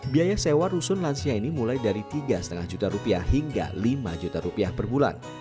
biaya sewa rusun lansia ini mulai dari tiga lima juta rupiah hingga lima juta rupiah per bulan